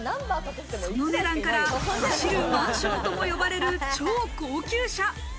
その値段から「走るマンション」とも呼ばれる超高級車。